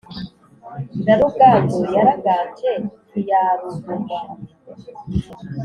Na Ruganzu yaraganje ntiyarugumanye